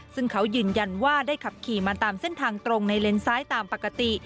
ซึ่งเขายืนยันว่าได้ขับขี่มาตามเส้นทางตรงในเลนซ้ายตามปกติ